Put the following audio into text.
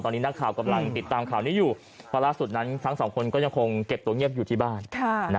ตอนนี้นักข่าวกำลังติดตามข่าวนี้อยู่เพราะล่าสุดนั้นทั้งสองคนก็ยังคงเก็บตัวเงียบอยู่ที่บ้าน